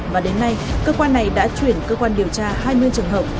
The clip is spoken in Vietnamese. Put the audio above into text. và đến nay cơ quan này đã chuyển cơ quan điều tra hai mươi trường hợp